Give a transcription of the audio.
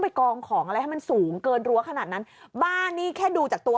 กองของอะไรให้มันสูงเกินรั้วขนาดนั้นบ้านนี่แค่ดูจากตัว